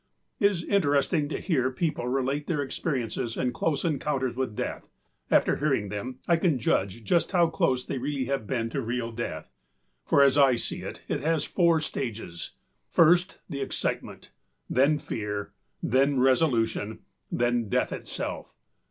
It is interesting to hear people relate their experiences and close encounters with death. After hearing them, I can judge just how close they really have been to real death. For as I see it, it has four stages first, the excitement; then fear; then resolution; then death itself.